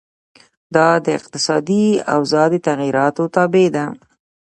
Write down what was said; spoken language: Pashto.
دا د اقتصادي اوضاع د تغیراتو تابع ده.